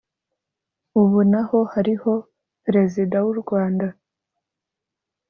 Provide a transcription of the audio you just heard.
ubu naho hariho perezida w’u Rwanda